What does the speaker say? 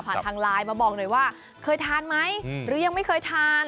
ทางไลน์มาบอกหน่อยว่าเคยทานไหมหรือยังไม่เคยทาน